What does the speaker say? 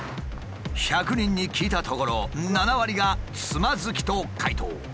１００人に聞いたところ７割が「つまずき」と回答。